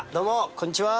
こんにちは。